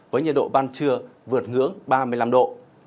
với nhiệt độ ban trưa vượt ngưỡng ba mươi năm độ